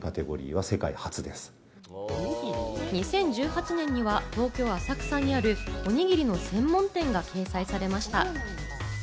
２０１８年には東京・浅草にある、おにぎりの専門店が掲載されました。